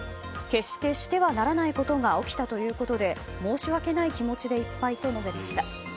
決してしてはならないことが起きたということで申し訳ない気持ちでいっぱいと述べました。